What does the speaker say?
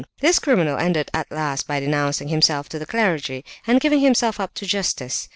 This criminal ended at last by denouncing himself to the clergy, and giving himself up to justice.